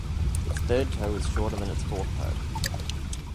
Its third toe is shorter than its fourth toe.